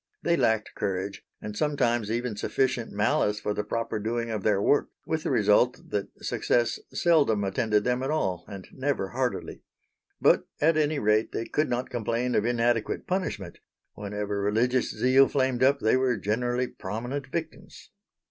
They lacked courage, and sometimes even sufficient malice for the proper doing of their work; with the result that success seldom attended them at all, and never heartily. But at any rate they could not complain of inadequate punishment; whenever religious zeal flamed up they were generally prominent victims.